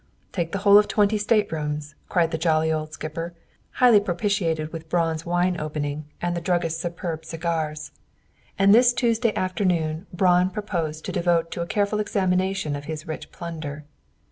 "Take the whole twenty staterooms," cried the jolly old skipper, highly propitiated with Braun's wine opening and the druggist's superb cigars. And this Tuesday afternoon Braun proposed to devote to a careful examination of his rich plunder.